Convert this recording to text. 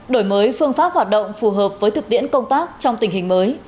đổi mới phương pháp hoạt động phù hợp với thực tiễn công tác trong tình hình mới